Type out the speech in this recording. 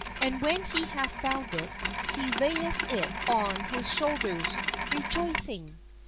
And when he hath found it, he lay eth it on his shoulders, re joicing.